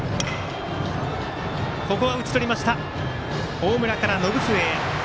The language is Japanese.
大村から、延末へ。